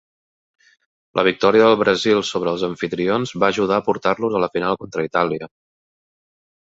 La victòria del Brasil sobre els amfitrions va ajudar a portar-los a la final contra Itàlia.